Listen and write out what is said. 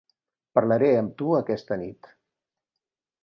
Parlaré amb tu aquesta nit.